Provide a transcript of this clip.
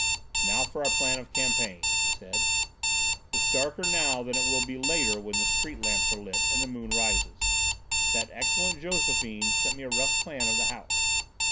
"Now for our plan of campaign," he said. "It's darker now than it will be later when the street lamps are lit and the moon rises. That excellent Josephine sent me a rough plan of the house.